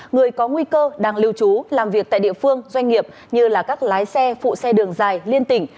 người có nguy cơ đang lưu trú làm việc tại địa phương doanh nghiệp như các lái xe phụ xe đường dài liên tỉnh